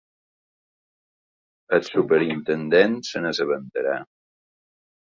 El superintendent se n'assabentarà.